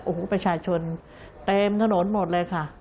โอ้โหประชาชนเต็มถนนหมดเลยค่ะ